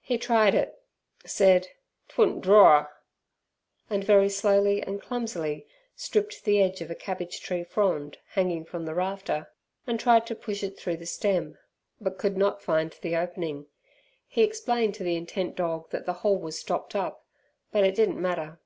He tried it, said "'twouldn't draw'r", and very slowly and clumsily stripped the edge of a cabbage tree frond hanging from the rafter, and tried to push it through the stem, but could not find the opening. He explained to the intent dog that the hole was stopped up, but it didn't matter.